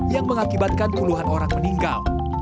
yang mengakibatkan puluhan orang meninggal